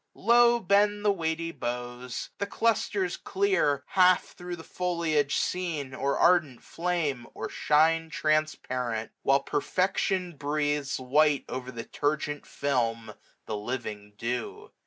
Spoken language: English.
Low bend the weighty boughs. The clusters clear. Half thro* the foliage seen, or ardent flame. Or shine transparent ; while perfection breathes 690 White o'er the turgent film the living dew.